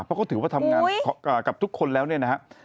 เพราะเขาถือว่าทำงานกับทุกคนแล้วเนี่ยนะฮะ